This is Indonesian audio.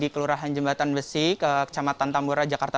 pemprov dki jakarta